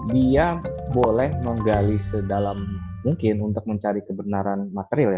dia boleh menggali sedalam mungkin untuk mencari kebenaran material ya